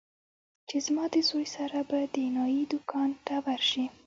چې زما د زوى سره به د نايي دوکان ته ورشې.